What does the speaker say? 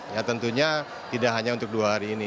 ya tentunya tidak hanya untuk dua hari ini